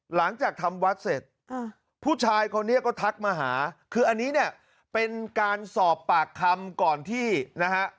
หลังจากทำวัดเสร็จผู้ชายคนนี้ก็ทักมาหาคืออันนี้เนี่ยเป็นการสอบปากคำก่อนที่นะฮะ